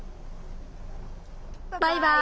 バイバイ。